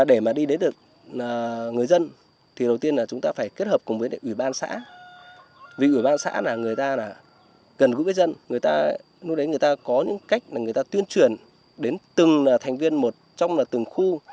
để mà đi đến được người dân thì đầu tiên là chúng ta phải kết hợp cùng với ủy ban xã vì ủy ban xã là người ta là gần gũi với dân người ta lúc đấy người ta có những cách là người ta tuyên truyền đến từng thành viên một trong là từng khu